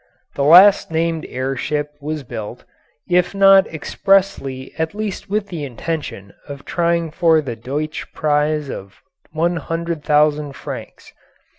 The last named air ship was built, if not expressly at least with the intention of trying for the Deutsch Prize of 100,000 francs.